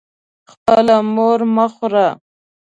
خپله مور مه خوره.